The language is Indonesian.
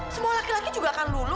semua laki laki juga akan dulu